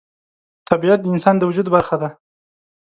طبیعت د انسان د وجود برخه ده.